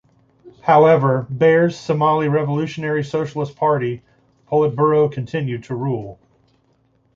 However, Barre's Somali Revolutionary Socialist Party politburo continued to rule.